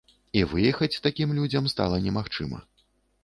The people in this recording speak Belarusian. І выехаць такім людзям стала немагчыма.